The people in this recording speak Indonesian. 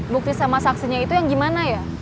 bukti sama saksinya itu yang gimana ya